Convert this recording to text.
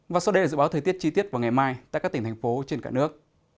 và sau đây là dự báo thời tiết chi tiết vào ngày mai tại các tỉnh thành phố trên cả nước